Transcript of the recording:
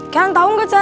kalian tahu gak caranya